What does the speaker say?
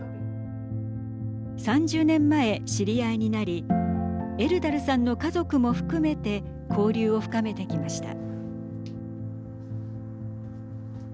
３０年前、知り合いになりエルダルさんの家族も含めて交流を深めてきました。